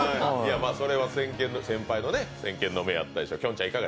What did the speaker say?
それは先輩の先見の明でしたでしょう。